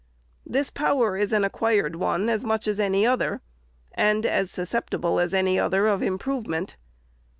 This power is an acquired one as much as any other, and as suscep tible as any other of improvement.